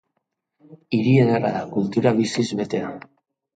Hiri ederra da, kultura biziz betea.